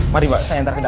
mari mbak saya ntar kedal